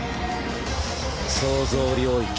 創造領域